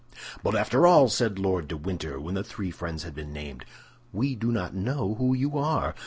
"But after all," said Lord de Winter, when the three friends had been named, "we do not know who you are.